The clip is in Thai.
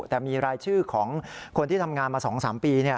แต่มีรายชื่อของคนที่ทำงานมา๒๓ปี